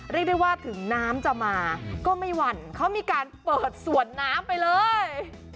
เรียกได้ว่าถึงน้ำจะมาก็ไม่หวั่นเขามีการเปิดสวนน้ำไปเลย